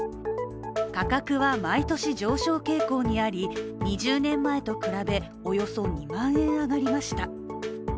価格は毎年上昇傾向にあり２０年前と比べ、およそ２万円上がりました。